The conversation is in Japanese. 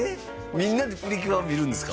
みんなで「プリキュア」を見るんですか？